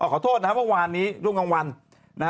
ขอโทษนะว่าวานนี้ช่วงกลางวัน